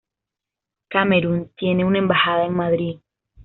Camerún tiene una embajada en Madrid.